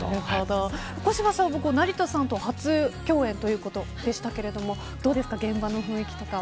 小芝さんは成田さんと初共演ということでしたけれどもどうですか現場の雰囲気とかは。